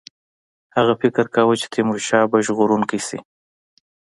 هغه فکر کاوه چې تیمورشاه به ژغورونکی شي.